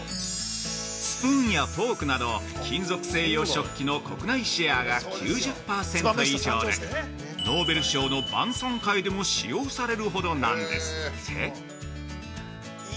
スプーンやフォークなど、金属製洋食器の国内シェアが９０％以上でノーベル賞の晩餐会でも使用されるほどなんですって！？